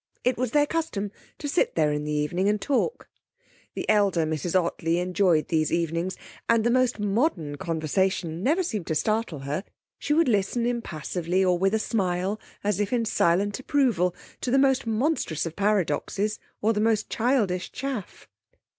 It was their custom to sit there in the evening and talk. The elder Mrs Ottley enjoyed these evenings, and the most modern conversation never seemed to startle her. She would listen impassively, or with a smile, as if in silent approval, to the most monstrous of paradoxes or the most childish chaff.